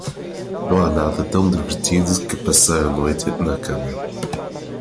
Não há nada tão divertido que passar a noite na cama.